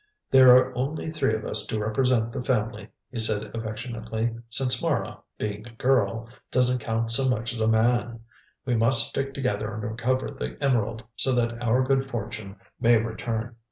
"There are only three of us to represent the family," he said affectionately, "since Mara, being a girl, doesn't count so much as a man. We must stick together and recover the emerald, so that our good fortune may return.